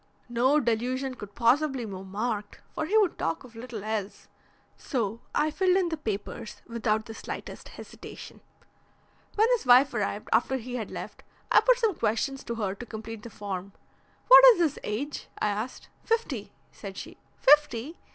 No delusion could possibly be more marked, for he would talk of little else, so I filled in the papers without the slightest hesitation. When his wife arrived, after he had left, I put some questions to her to complete the form. 'What is his age?' I asked. 'Fifty,' said she. 'Fifty!'